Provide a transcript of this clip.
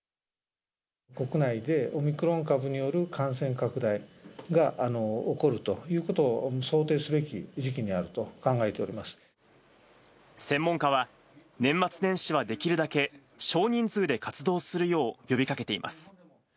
国内でオミクロン株による感染拡大が起こるということを想定すべき時期にあると考えておりま専門家は、年末年始はできるだけ少人数で活動するよう呼びかけています。